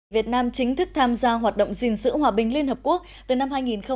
việt nam chính thức tham gia hoạt động gìn giữ hòa bình liên hợp quốc từ năm hai nghìn một mươi một